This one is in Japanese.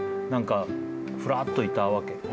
何かふらっといたわけ。